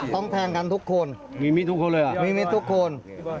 ต้องแทงกันทุกคน